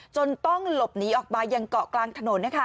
จนต้องหลบหนีออกมายังเกาะกลางถนน